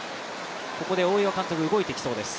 ここで大岩監督、動いてきそうです